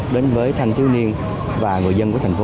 đến với thanh thiếu niên và người dân của thành phố